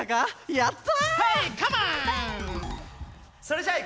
やった！